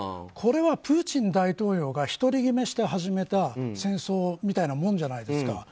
これはプーチン大統領が１人決めして始めた戦争みたいなものじゃないですか。